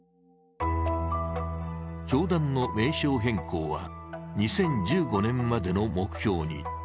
教団の名称変更は２０１５年までの目標に。